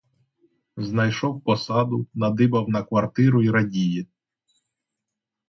Знайшов посаду, надибав на квартиру й радіє!